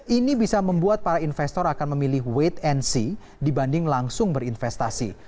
ini bisa membuat para investor akan memilih wait and see dibanding langsung berinvestasi